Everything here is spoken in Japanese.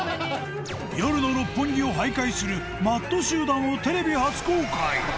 夜の六本木を徘徊する Ｍａｔｔ 集団をテレビ初公開